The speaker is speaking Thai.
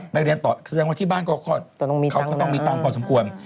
เรียนต่อแสดงว่าที่บ้านเขาก็ต้องมีตังค์พอสมควร